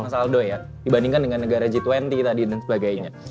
mas aldo ya dibandingkan dengan negara g dua puluh tadi dan sebagainya